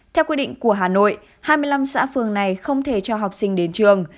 theo quy định của hà nội hai mươi năm xã phường này không thể cho học sinh đến trường